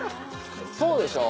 そうでしょ？